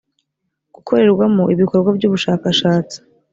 gukorerwamo ibikorwa by ubushakashatsi